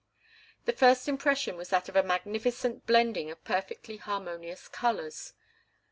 The first impression was that of a magnificent blending of perfectly harmonious colours.